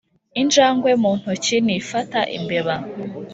injangwe mu ntoki ntifata imbeba.